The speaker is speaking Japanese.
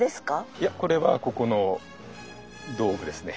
いやこれはここの道具ですね。